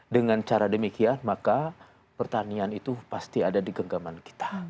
dengan cara demikian maka pertanian itu pasti ada di genggaman kita